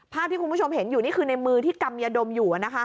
ภาพที่คุณผู้ชมเห็นอยู่นี่คือในมือที่กำยาดมอยู่